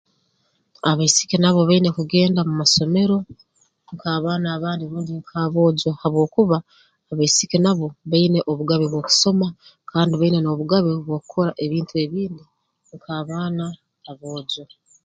Abaisiki nabo baine kugenda mu masomero nk'abaana abandi rundi nk'aboojo habwokuba abaisiki nabo baine obugabe bw'okusoma kandi baine n'obugabe bw'okukora ebintu ebindi nk'abaana aboojo